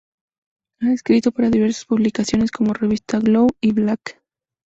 Ha escrito para diversas publicaciones como: Revista Glow y Black.